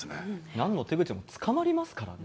なんの手口でも捕まりますからね。